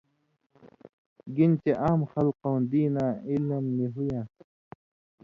گن چے عام خلکؤں دیناں علم نی ہُوئ یان٘س۔